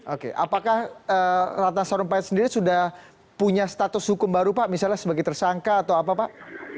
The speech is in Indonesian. oke apakah ratna sarumpait sendiri sudah punya status hukum baru pak misalnya sebagai tersangka atau apa pak